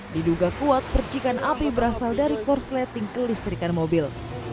diduga kuat percikan api berasal dari korsleting kelistrikan mobil